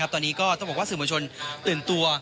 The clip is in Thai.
ตอนนี้ก็ต้องบอกว่าสื่อมวลชนตื่นตัว